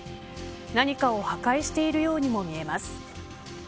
何かを破壊しているようにも見えます。